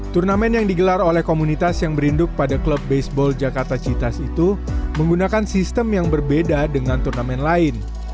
turnamen yang digelar oleh komunitas yang berinduk pada klub baseball jakarta citas itu menggunakan sistem yang berbeda dengan turnamen lain